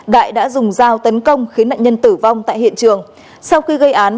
đại đã dùng dao tấn công khiến nạn nhân tử vong tại hiện trường sau khi gây án